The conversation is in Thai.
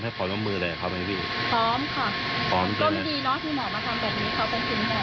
มาแบบนี้เข้าไปที่แม่